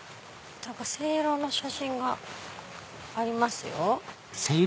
せいろの写真がありますよ。